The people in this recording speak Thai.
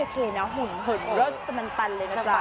เฮ้ยคุณก็โอเคนะห่นรสสมันตันเลยนะจ๊ะ